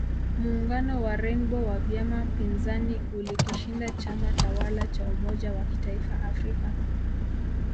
Muungano wa Rainbow wa vyama pinzani ulikishinda chama tawala cha umoja wa kitaifa Afrika